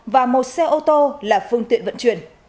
và một xe ô tô là phương tiện vận chuyển